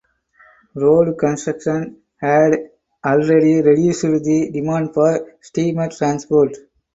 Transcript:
Road construction had already reduced the demand for steamer transport.